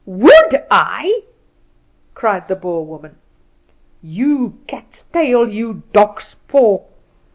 WOULD I?" cried the Boer woman; "you cat's tail, you dog's paw!